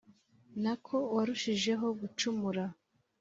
nako warushijeho gucumura